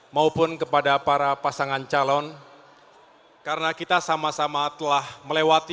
maupun kepada para pasangan calon karena kita sama sama telah melewati